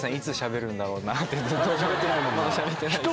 しゃべってないもんな。